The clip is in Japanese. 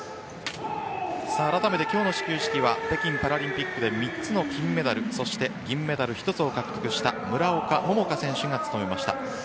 改めて、今日の始球式は北京パラリンピックで３つの金メダルそして銀メダル１つを獲得した村岡桃佳選手が務めました。